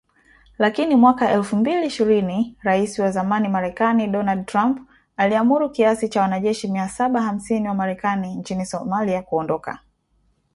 Lakini mwaka elfu mbili ishirini ,Rais wa zamani Marekani Donald Trump aliamuru kiasi cha wanajeshi mia saba hamsini wa Marekani nchini Somalia kuondoka